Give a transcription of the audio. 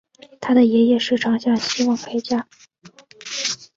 他爷爷时常向希望开一家饭馆的比特传授一些老方法。